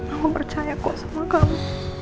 aku percaya kok sama kamu